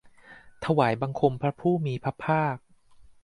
ถวายบังคมพระผู้มีพระภาค